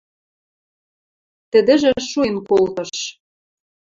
Тӹдӹжӹ шуэн колтыш.